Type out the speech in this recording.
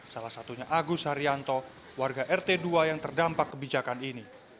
salah satunya agus haryanto warga rt dua yang terdampak kebijakan ini